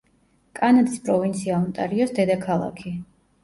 კანადის პროვინცია ონტარიოს დედაქალაქი.